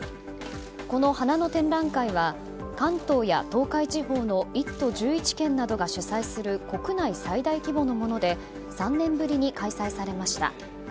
この、花の展覧会は関東や東海地方の１都１１県などが主催する国内最大規模のもので３年ぶりに開催されました。